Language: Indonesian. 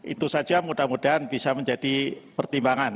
itu saja mudah mudahan bisa menjadi pertimbangan